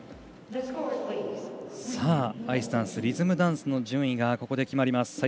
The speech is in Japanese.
アイスダンスリズムダンスの順位がここで決まります。